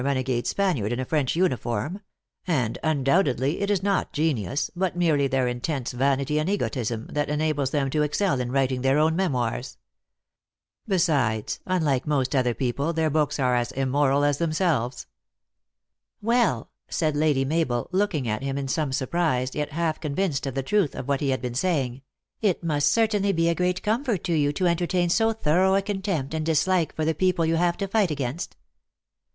51 renegade Spaniard in a French uniform ; and, un doubtedly, it is not genius, but merely their intense vanity and egotism, that enables them to excel in writing their own memoirs. Besides, unlike most other people, their books are as immoral as them selves." " Well," said Lady Mabel, looking at him in some surprise, yet half convinced of the truth of what he had been saying. " It must certainly be a great com fort to you to entertain so thorough a contempt and dislike for the people you have to tight against."